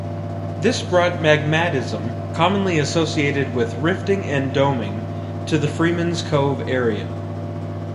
This brought magmatism commonly associated with rifting and doming to the Freemans Cove area.